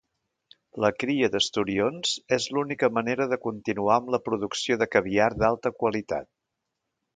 La cria d'esturions és l'única manera de continuar amb la producció de caviar d'alta qualitat.